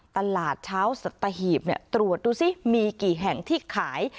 ตลาดเช้าสัตหีบตรวจดูซิมีกี่แห่งที่ขาย